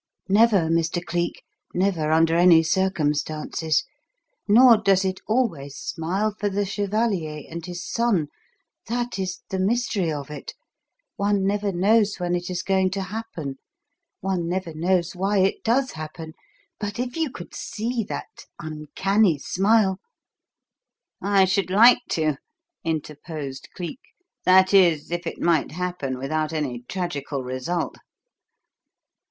"Never, Mr. Cleek never under any circumstances. Nor does it always smile for the chevalier and his son. That is the mystery of it. One never knows when it is going to happen one never knows why it does happen. But if you could see that uncanny smile " "I should like to," interposed Cleek. "That is, if it might happen without any tragical result.